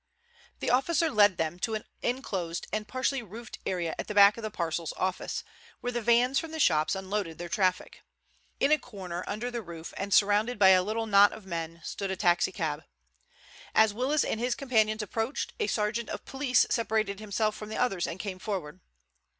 The officer led them to an enclosed and partially roofed area at the back of the parcels office, where the vans from the shops unloaded their traffic. In a corner under the roof and surrounded by a little knot of men stood a taxi cab. As Willis and his companions approached, a sergeant of police separated himself from the others and came forward.